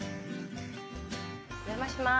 お邪魔しまーす。